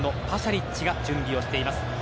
リッチが準備をしています。